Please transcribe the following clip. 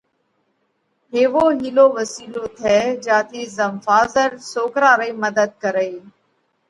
ايوو هِيلو وسِيلو ٿئہ جيا ٿِي زم ڦازر سوڪرا رئِي مڌت ڪرئي